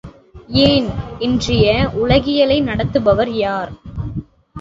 ஏன், இன்றைய உலகியலை நடத்துபவர் யார்?